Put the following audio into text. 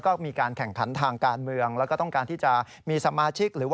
กรณีนี้ทางด้านของประธานกรกฎาได้ออกมาพูดแล้ว